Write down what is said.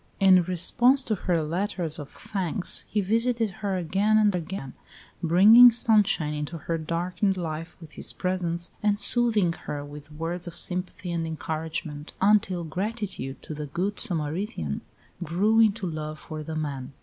In response to her letters of thanks, he visited her again and again, bringing sunshine into her darkened life with his presence, and soothing her with words of sympathy and encouragement, until gratitude to the "good Samaritan" grew into love for the man.